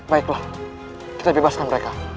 baiklah kita bebaskan mereka